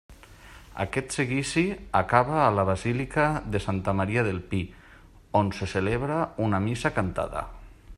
Aquest seguici acaba a la basílica de Santa Maria del Pi on se celebra una missa cantada.